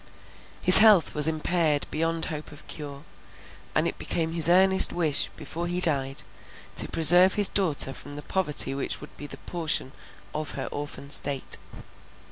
His health was impaired beyond hope of cure; and it became his earnest wish, before he died, to preserve his daughter from the poverty which would be the portion of her orphan state.